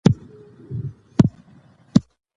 ښوونکي باید امانتدار وي.